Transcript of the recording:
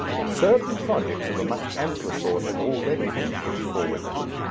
Certain projects of a much ampler sort have already been put forward.